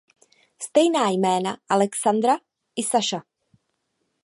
Stejná jména Alexandra i Saša.